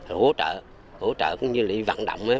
hỗ trợ cũng như đi vận động